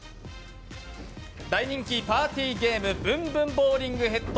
大人気パーティーゲームブンブンボウリングヘッド。